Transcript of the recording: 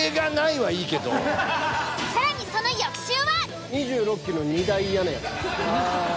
更にその翌週は。